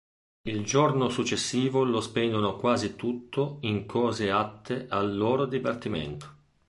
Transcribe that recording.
Il giorno successivo lo spendono quasi tutto in cose atte al loro divertimento.